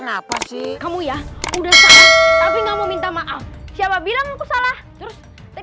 sabar selu kenapa sih kamu ya udah tapi enggak mau minta maaf siapa bilang aku salah terus